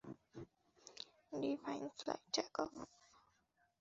Divine fly, take-off!